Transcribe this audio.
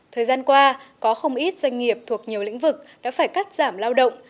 thời gian qua có không ít doanh nghiệp thuộc nhiều lĩnh vực đã phải cắt giảm lao động